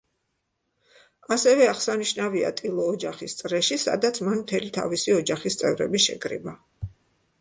ასევე აღსანიშნავია ტილო „ოჯახის წრეში“, სადაც მან მთელი თავისი ოჯახის წევრები შეკრიბა.